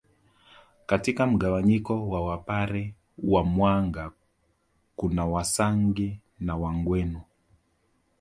Katika mgawanyiko wa wapare wa mwanga kuna Wasangi na Wagweno